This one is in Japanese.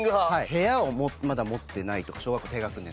部屋をまだ持ってないとか小学校低学年とか。